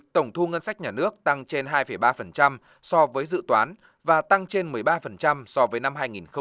tổng thu ngân sách nhà nước tăng trên hai ba so với dự toán và tăng trên một mươi ba so với năm hai nghìn một mươi bảy